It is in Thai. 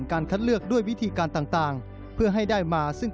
ก็เป็นเรื่องและสร้างการทำขึ้น